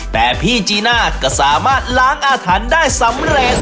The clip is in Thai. แต่พี่จีน่าก็สามารถล้างอาถรรพ์ได้สำเร็จ